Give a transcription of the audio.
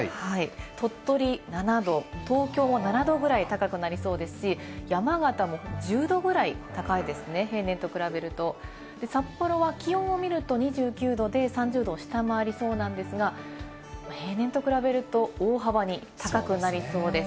鳥取７度、東京も７度ぐらい高くなりそうですし、山形も１０℃ぐらい高いですね、平年と比べると札幌は気温を見ると２９度で、３０度を下回りそうなんですが、平年と比べると大幅に高くなりそうです。